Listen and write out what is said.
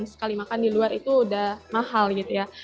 sekali makan di luar itu udah mahal gitu ya